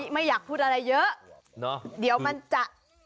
ไม่อยากพูดอะไรเยอะเดี๋ยวมันจะ